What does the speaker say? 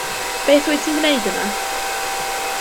Beth wyt ti'n gwneud yma?